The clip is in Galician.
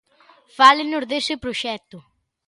Fálenos dese proxecto.